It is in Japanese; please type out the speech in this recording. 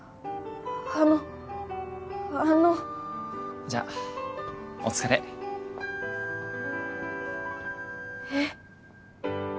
あのあのじゃあお疲れえっ？